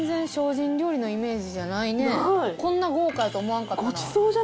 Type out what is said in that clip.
こんな豪華やと思わんかったな。